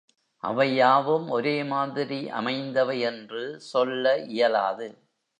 அவை யாவும் ஒரே மாதிரி அமைந்தவை என்று சொல்ல இயலாது.